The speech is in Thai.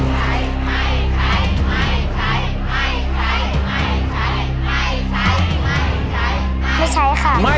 ใช้ไม่ใช้ไม่ใช้ไม่ใช้ไม่ใช้ไม่ใช้ไม่ใช้ไม่ใช้ค่ะ